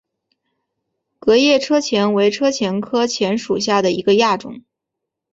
革叶车前为车前科车前属下的一个亚种。